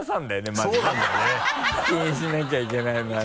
気にしなきゃいけないのはね。